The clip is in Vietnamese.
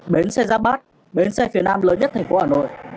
bến xe giáp bát bến xe phía nam lớn nhất thành phố hà nội